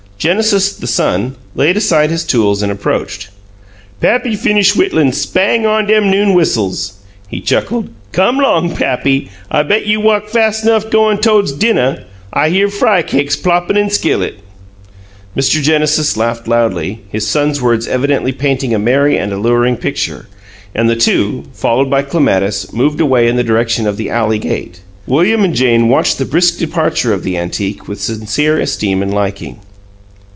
Genesis, the son, laid aside his tools and approached. "Pappy finish whittlin' spang on 'em noon whistles," he chuckled. "Come 'long, pappy. I bet you walk fas' 'nuff goin' todes dinnuh. I hear fry cakes ploppin' in skillet!" Mr. Genesis laughed loudly, his son's words evidently painting a merry and alluring picture; and the two, followed by Clematis, moved away in the direction of the alley gate. William and Jane watched the brisk departure of the antique with sincere esteem and liking.